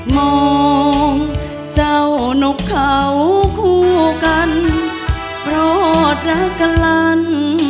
มองเจ้านกเขาคู่กันโปรดรักกันลัน